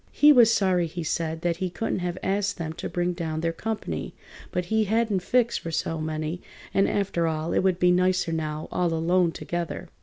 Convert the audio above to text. He was sorry, he said, that he couldn't have asked them to bring down their comp'ny, but he hadn't fixed for so many, and, after all, it would be nicer now, all alone together.